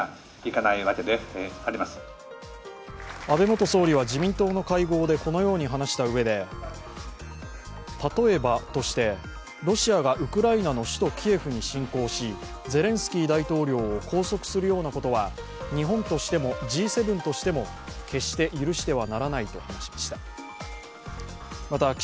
安倍元総理は自民党の会合でこのように話したうえで例えばとして、ロシアがウクライナの首都キエフに侵攻しゼレンスキー大統領を拘束するようなことは日本としてもＧ７としても決して許してはならないと話しました。